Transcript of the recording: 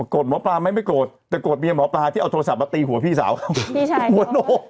หมอปลาไหมไม่โกรธแต่โกรธเมียหมอปลาที่เอาโทรศัพท์มาตีหัวพี่สาวเขาหัวโน